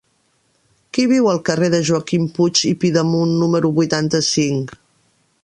Qui viu al carrer de Joaquim Puig i Pidemunt número vuitanta-cinc?